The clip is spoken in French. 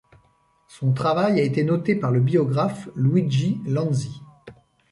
Son travail a été noté par le biographe Luigi Lanzi.